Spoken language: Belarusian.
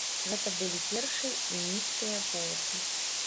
Гэта былі першыя іністыя волаты.